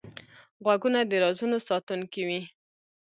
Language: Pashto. غوږونه د رازونو ساتونکی وي